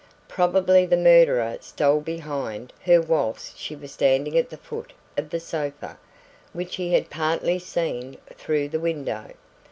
Probably the murderer stole behind her whilst she was standing at the foot of the sofa which he had partly seen through the window.